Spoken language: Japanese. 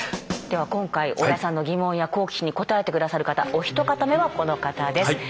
では今回織田さんの疑問や好奇心に答えて下さる方お一方目はこの方です。